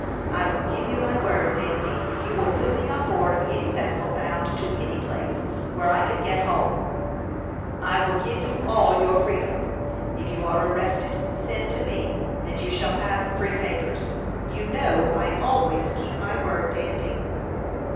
"I will give you my word, Dandy, if you will put me on board of any vessel bound to any place where I can get home, I will give you all your freedom. If you are arrested, send to me, and you shall have free papers. You know I always keep my word, Dandy."